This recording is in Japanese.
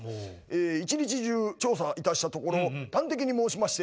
一日中調査いたしたところ端的に申しまして。